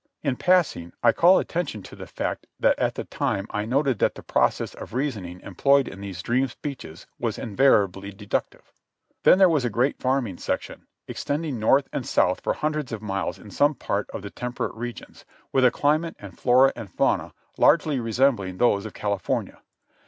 In passing, I call attention to the fact that at the time I noted that the process of reasoning employed in these dream speeches was invariably deductive. Then there was a great farming section, extending north and south for hundreds of miles in some part of the temperate regions, with a climate and flora and fauna largely resembling those of California.